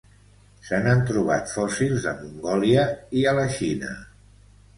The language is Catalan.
Se n'han trobat fòssils a Mongòlia i a la Xina.